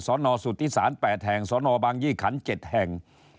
ศนสุติศาสน์แปดแห่งศนบางยี่ขันต์เจ็ดแห่ง